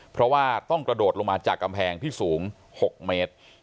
เพราะว่าต้องกระโดดลงมาจากกำแพงที่สูง๖เมตร